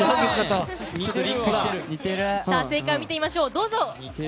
正解を見てみましょう。